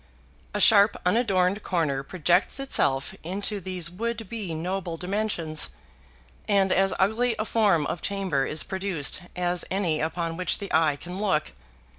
A sharp unadorned corner projects itself into these would be noble dimensions, and as ugly a form of chamber is produced as any upon which the eye can look.